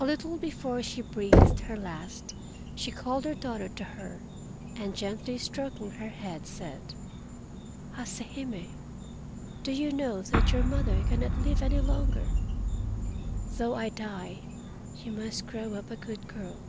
A little before she breathed her last she called her daughter to her, and gently stroking her head, said: "Hase Hime, do you know that your mother cannot live any longer? Though I die, you must grow up a good girl.